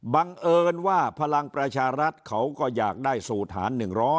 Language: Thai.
บังเอิญว่าพลังประชารัฐเขาก็อยากได้สูตรหาร๑๐๐